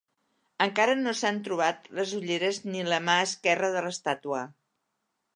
Encara no s'han trobat les ulleres ni la mà esquerra de l'estàtua.